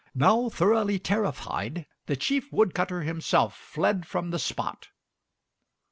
Now thoroughly terrified, the chief wood cutter himself fled from the spot.